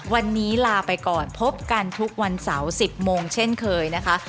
วันนี้ลาไปก่อนพบกันทุกวันเสาร์๑๐โมงเช่นเคยนะคะ